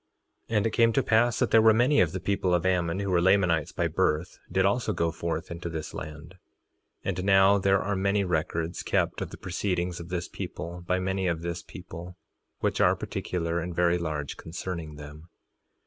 3:12 And it came to pass that there were many of the people of Ammon, who were Lamanites by birth, did also go forth into this land. 3:13 And now there are many records kept of the proceedings of this people, by many of this people, which are particular and very large, concerning them.